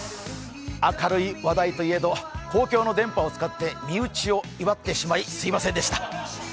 明るい話題といえど、公共の電波を使って身内を祝ってしまいすいませんでした。